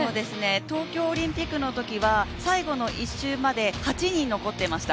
東京オリンピックのときは最後の１周のときは８人残っていました。